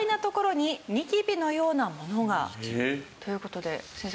という事で先生